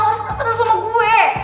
dia peduli sama gue